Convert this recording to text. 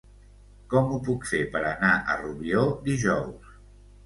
Com ho puc fer per anar a Rubió dijous?